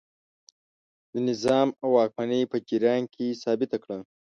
د نظام او واکمنۍ په جریان کې ثابته کړه.